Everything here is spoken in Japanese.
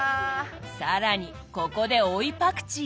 更にここで追いパクチー。